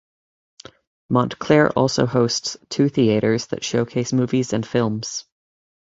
Montclair also hosts two theaters that showcase movies and films.